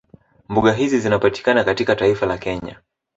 Mbuga hizi zinapatikana katika taifa la Kenya